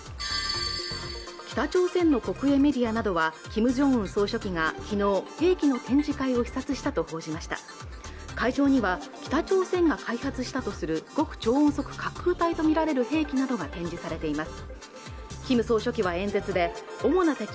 北朝鮮の国営メディアなどはキム・ジョンウン総書記がきのう兵器の展示会を視察したと報じました会場には北朝鮮が開発したとする極超音速滑空体と見られる兵器などが展示されています